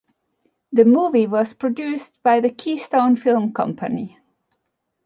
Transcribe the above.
The movie was produced by the Keystone Film Company.